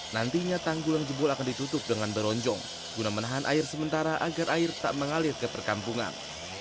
nantinya tanggul yang jebol akan ditutup dengan beronjong guna menahan air sementara agar air tak mengalir ke perkampungan